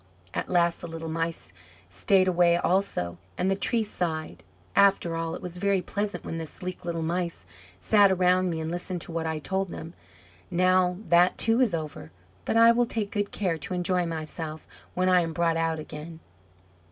At last the little Mice stayed away also; and the Tree sighed: "After all, it was very pleasant when the sleek little Mice sat around me and listened to what I told them. Now that too is over. But I will take good care to enjoy myself when I am brought out again."